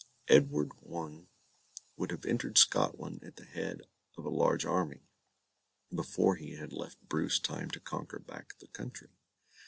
Edward I would have entered Scotland at the head of a large army, before he had left Bruce time to conquer back the country.